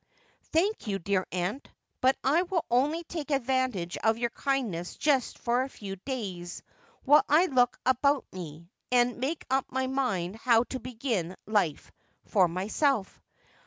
' Thank you, dear aunt. But I will only take advantage of your kindness just for a few days, while I look about me, and make up my mind how to begin life for myself.